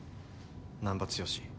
難破剛。